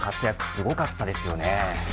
すごかったですよね。